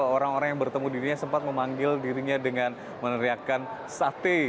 orang orang yang bertemu dirinya sempat memanggil dirinya dengan meneriakan sate